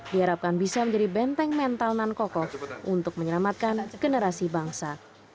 diharapkan bisa menjadi benteng mental nan kokoh untuk menyelamatkan generasi bangsa